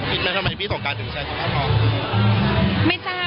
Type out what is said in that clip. อีกแล้วทำไมพี่สงการถึงใช้สมบัติภาพของคุณ